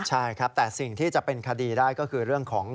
ใช่ครับแต่สิ่งที่จะเป็นคดีได้ก็คือเรื่องของ